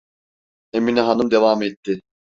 Emine hanım devam etti: